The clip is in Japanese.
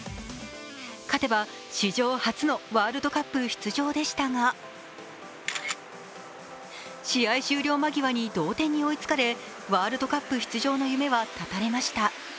勝てば史上初のワールドカップ出場でしたが試合終了間際に同点に追いつかれワールドカップ出場の夢は絶たれました。